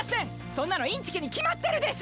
そんなのインチキに決まってるでしょ。